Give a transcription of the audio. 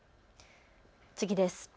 次です。